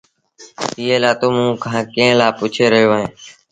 ايٚئي لآ توٚنٚ موٚنٚ کآݩ ڪݩهݩ لآ پُڇي رهيو اهينٚ؟